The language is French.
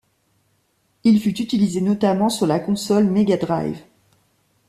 Il fut utilisé notamment sur la console Mega Drive.